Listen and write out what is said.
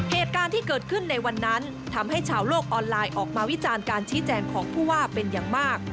เหตุการณ์ที่เกิดขึ้นในวันนั้นทำให้ชาวโลกออนไลน์ออกมาวิจารณ์การชี้แจงของผู้ว่าเป็นอย่างมาก